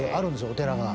お寺が。